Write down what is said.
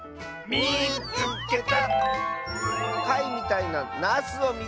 「みいつけた！」。